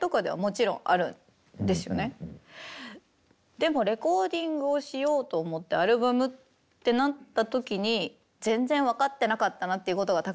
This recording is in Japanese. でもレコーディングをしようと思ってアルバムってなった時に全然分かってなかったなっていうことがたくさんありました。